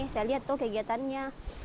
saya lihat tuh kegiatannya